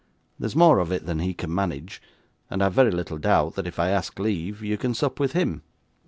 There's more of it than he can manage, and I have very little doubt that if I ask leave, you can sup with him.